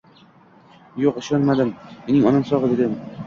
Yo'q, ishonmadim. Mening onam sog' dedim.